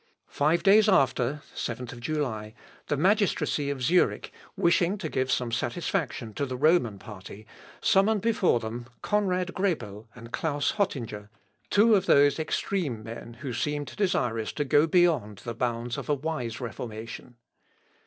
Five days after (7th July), the magistracy of Zurich, wishing to give some satisfaction to the Roman party, summoned before them Conrad Grebel and Claus Hottinger, two of those extreme men who seemed desirous to go beyond the bounds of a wise Reformation.